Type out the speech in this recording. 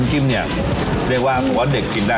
น้ำจิ้มนี่เรียกว่าเพราะว่าเด็กกินได้